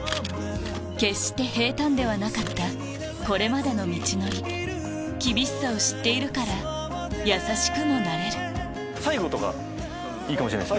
決して平たんではなかったこれまでの道のり厳しさを知っているから優しくもなれる最後とかいいかもしれないです。